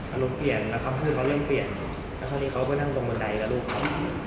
อารมณ์เปลี่ยนแล้วครับเพื่อนเขาเริ่มเปลี่ยนแล้วคราวนี้เขาก็นั่งตรงบันไดกับลูกเขา